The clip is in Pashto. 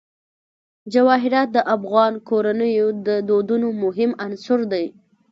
جواهرات د افغان کورنیو د دودونو مهم عنصر دی.